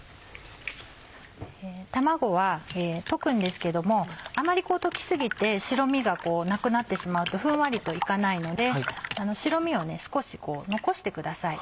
卵は溶くんですけれどもあんまり溶き過ぎて白身がなくなってしまうとふんわりと行かないので白身を少し残してください。